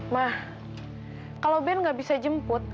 ma kalau ben gak bisa jemput